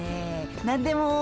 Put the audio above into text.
何でも。